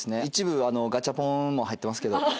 一部ガチャポンも入ってますけど。